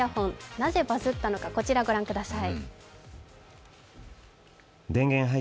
なぜバズったのか、こちら御覧ください。